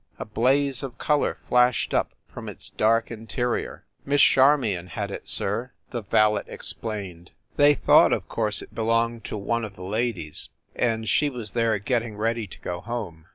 A blaze of color flashed up from its dark interior. "Miss Charmion had it, sir," the valet explained. 238 FIND THE WOMAN "They thought, of course, it belonged to one of the ladies, and she was there getting ready to go home."